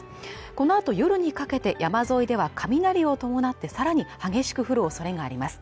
このあと夜にかけて山沿いでは雷を伴ってさらに激しく降る恐れがあります